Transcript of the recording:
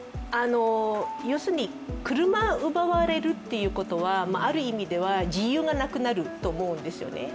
要するに車を奪われるってことはある意味では自由がなくなると思うんですよね